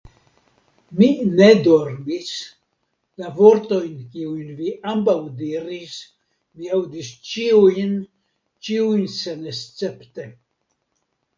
Mi ne dormis; la vortojn, kiujn vi ambaŭ diris, mi aŭdis ĉiujn, ĉiujn senescepte.